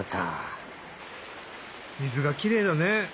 水がきれいだね。